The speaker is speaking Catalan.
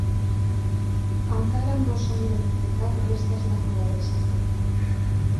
Encara no s'han identificat restes de croaders al poble.